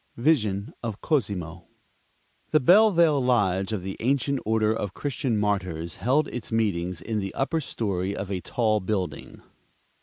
Vision of Cosimo. The Bellevale lodge of the Ancient Order of Christian Martyrs held its meetings in the upper story of a tall building.